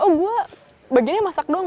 oh gue begini masak dong